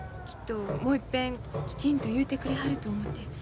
きっともう一遍きちんと言うてくれはると思て。